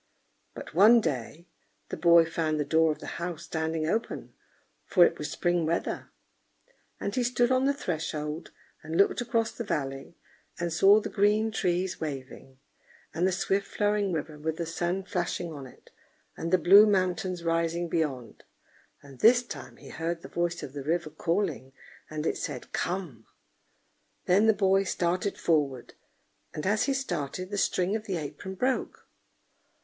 But one day the boy found the door of the house standing open, for it was spring weather; and he stood on the threshold and looked across the valley, and saw the green trees waving, and the swift flowing river with the sun flashing on it, and the blue mountains rising beyond; and this time he heard the voice of the river calling, and it said "Come!" Then the boy started forward, and as he started, the string of the apron broke.